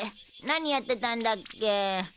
何やってたんだっけ？